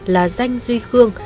là danh duy khương